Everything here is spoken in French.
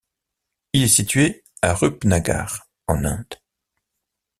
Il est situé à Rupnagar en Inde.